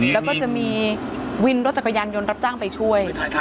แล้วก็จะมีวินรถจักรยานยนต์รับจ้างไปช่วย